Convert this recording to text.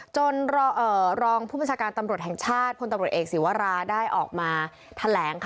รองผู้บัญชาการตำรวจแห่งชาติพลตำรวจเอกศีวราได้ออกมาแถลง